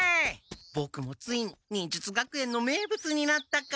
ボクもついに忍術学園の名物になったか。